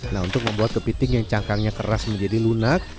nah untuk membuat kepiting yang cangkangnya keras menjadi lunak